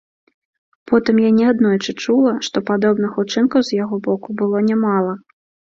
Потым я неаднойчы чула, што падобных учынкаў з яго боку было нямала.